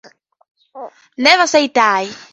Never say die.